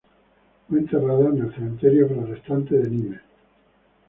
Fue enterrado en el Cementerio Protestante de Nimes.